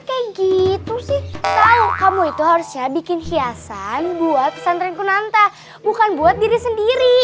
kayak gitu sih ayo kamu itu harusnya bikin hiasan buat pesantren kunanta bukan buat diri sendiri